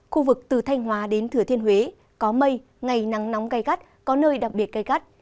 khu vực từ thanh hóa đến thừa thiên huế có mây ngày nắng nóng gai gắt có nơi đặc biệt gây gắt